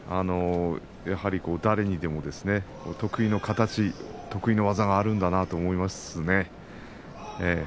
やはり誰にでも得意な形、得意な技があるんだなと思いますね。